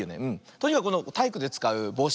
とにかくこのたいいくでつかうぼうし